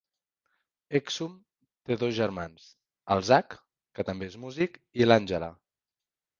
Hexum té dos germans: el Zack, que també és músic i l'Angela.